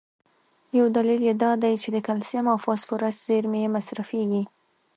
یو دلیل یې دا دی چې د کلسیم او فاسفورس زیرمي یې مصرفېږي.